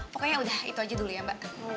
pokoknya udah itu aja dulu ya mbak